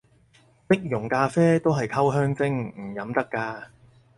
即溶咖啡都係溝香精，唔飲得咖